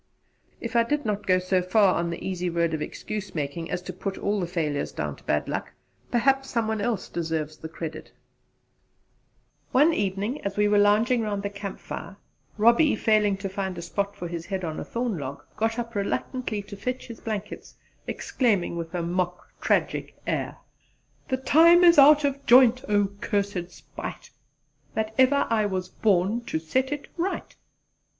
If I did not go so far on the easy road of excuse making as to put all the failures down to bad luck, perhaps some one else deserves the credit. One evening as we were lounging round the camp fire, Robbie, failing to find a soft spot for his head on a thorn log, got up reluctantly to fetch his blankets, exclaiming with a mock tragic air: "The time is out of joint; O cursed spite, That ever I was born to set it right."